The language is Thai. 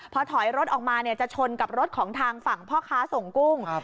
พอถอยรถออกมาจะชนกับรถของทางฝั่งพ่อค้าส่งกุ้ง